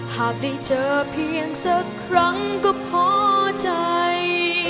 หากได้เจอเพียงสักครั้งก็พอใจ